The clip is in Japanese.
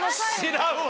知らんわ！